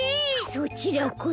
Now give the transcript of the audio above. そちらこそ。